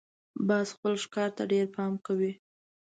باز خپل ښکار ته ډېر پام کوي